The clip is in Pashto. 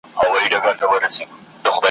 دا یو څو ورځي ژوندون دی نازوه مي `